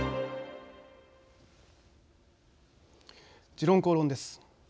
「時論公論」です。